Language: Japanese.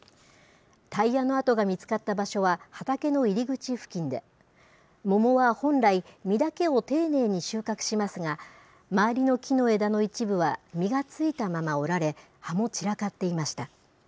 タイヤの跡が見つかった場所は、畑の入り口付近で、桃は本来、実だけを丁寧に収穫しますが、周りの木の枝の一部は実がついたまま折られ、葉も散らかっていました。